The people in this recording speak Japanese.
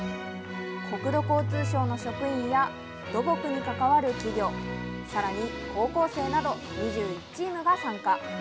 国土交通省の職員や、土木に関わる企業、さらに高校生など、２１チームが参加。